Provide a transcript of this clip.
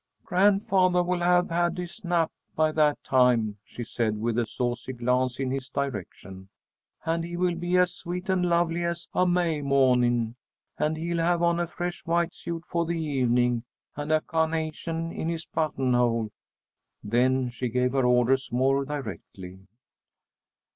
"Grandfathah will have had his nap by that time," she said, with a saucy glance in his direction, "and he will be as sweet and lovely as a May mawning. And he'll have on a fresh white suit for the evening, and a cah'nation in his buttonhole." Then she gave her orders more directly.